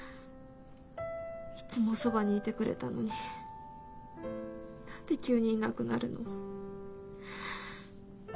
いつもそばにいてくれたのに何で急にいなくなるの？